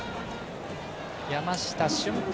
山下舜平